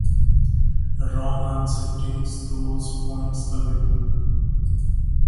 A wrong answer takes those points away.